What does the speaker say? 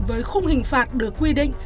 với khung hình phạt được quy định